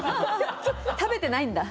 食べてないんだ。